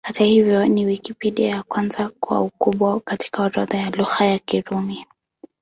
Hata hivyo, ni Wikipedia ya kwanza kwa ukubwa katika orodha ya Lugha za Kirumi.